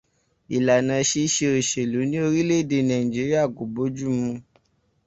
Ìlànà ṣíṣe òṣèlú ní orílẹ̀ èdè Nàìjíríà kò bójúmu.